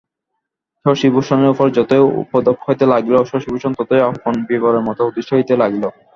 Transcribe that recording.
শশিভূষণের উপর যতই উপদ্রব হইতে লাগিল শশিভূষণ ততই আপন বিবরের মধ্যে অদৃশ্য হইতে লাগিলেন।